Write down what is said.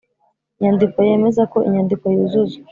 Inyandiko yemezako inyandiko yuzuzwa